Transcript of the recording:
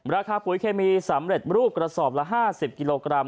ปุ๋ยเคมีสำเร็จรูปกระสอบละ๕๐กิโลกรัม